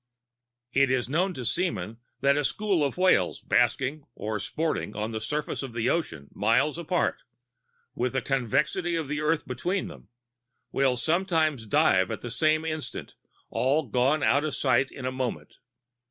"It is known to seamen that a school of whales basking or sporting on the surface of the ocean, miles apart, with the convexity of the earth between them, will sometimes dive at the same instant all gone out of sight in a moment.